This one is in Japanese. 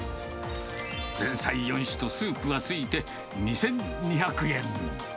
前菜４種とスープが付いて２２００円。